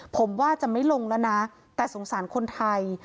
ผมว่าจะไม่ลงแล้วนะแต่สงสารคนไทย